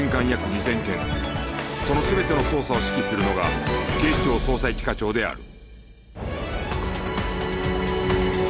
その全ての捜査を指揮するのが警視庁捜査一課長である